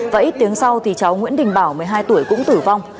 và ít tiếng sau thì cháu nguyễn đình bảo một mươi hai tuổi cũng tử vong